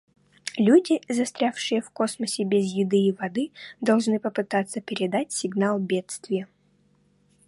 Люди, застрявшие в космосе без еды и воды, должны попытаться передать сигнал бедствия.